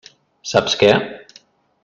Saps què?